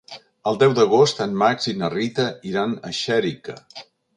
El deu d'agost en Max i na Rita iran a Xèrica.